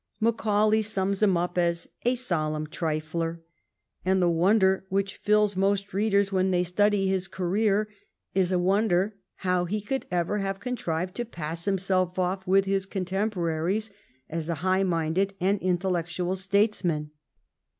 Macau lay sums him up as '^ a solemn trifler," and the wonder which fills most readers when they study his career is a wonder how he could ever have contrived to pass himself off with his contemporaries as a high minded and intellectual statesman.